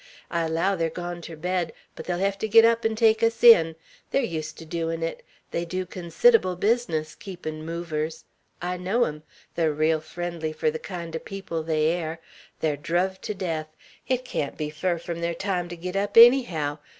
I allow they're gone ter bed; but they'll hev to git up 'n' take us in. They're used ter doin' it. They dew consid'able business keepin' movers. I know 'em. They're reel friendly fur the kind o' people they air. They're druv to death. It can't be far frum their time to git up, ennyhow.